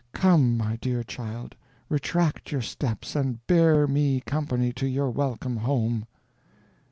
Come, my dear child, retract your steps, and bear me company to your welcome home."